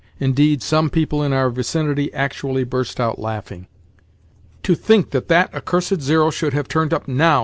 Indeed, some people in our vicinity actually burst out laughing. "To think that that accursed zero should have turned up _now!